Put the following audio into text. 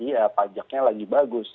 iya pajaknya lagi bagus